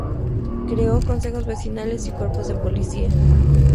Creó consejos vecinales y cuerpos de policías.